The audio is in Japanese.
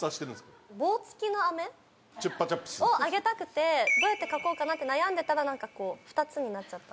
チュッパチャプス。をあげたくてどうやって描こうかなって悩んでたらなんかこう２つになっちゃった。